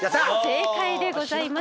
正解でございます。